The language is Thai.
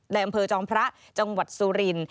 และอำเภอจองพระจังหวัดสุริน